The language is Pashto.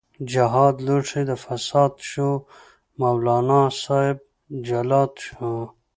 جهاد لوښۍ د فساد شو، مولانا صاحب جلاد شو